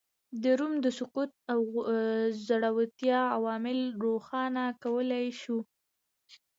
د روم د سقوط او ځوړتیا عوامل روښانه کولای شو